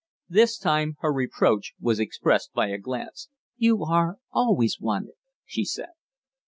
This time her reproach was expressed by a glance. "You are always wanted," she said.